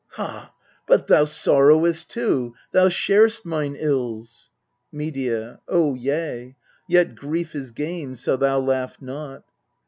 Ha ! but thou sorrowest too, thou shar'st mine ills! Medea. Oh, yea: yet grief is gain, so thou laugh not.